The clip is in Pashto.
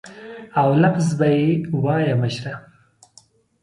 او لفظ به یې وایه مشره.